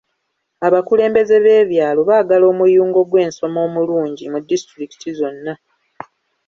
Abakulembeze b'ebyalo baagala omuyungo gw'ensoma omulungi mu disitulikiti zonna.